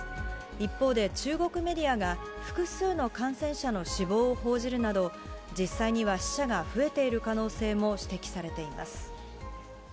一方で中国メディアが、複数の感染者の死亡を報じるなど、実際には死者が増えている可能性も指摘されています。